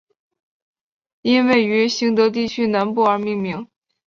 因位于行德地区南部而命名。